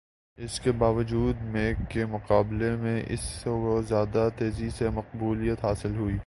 اس کے باوجود میک کے مقابلے میں اسی کو زیادہ تیزی سے مقبولیت حاصل ہوئی